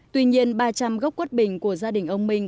tuy nhiên ba trăm linh gốc quất bình của gia đình ông minh